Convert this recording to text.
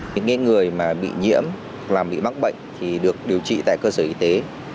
những người bị nhiễm bị bắt bệnh được điều trị tại cơ sở y tế